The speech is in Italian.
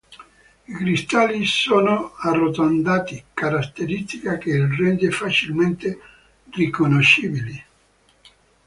I cristalli sono arrotondati, caratteristica che li rende facilmente riconoscibili.